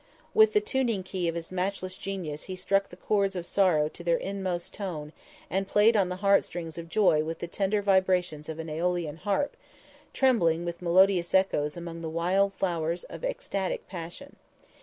With the tuning key of his matchless genius he struck the chords of sorrow to their inmost tone and played on the heart strings of joy with the tender vibrations of an æolian harp, trembling with melodious echoes among the wild flowers of ecstatic passion.